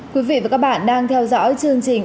quý vị và các bạn đang theo dõi chương trình